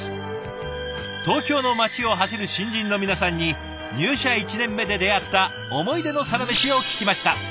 東京の街を走る新人の皆さんに入社１年目で出会ったおもいでのサラメシを聞きました。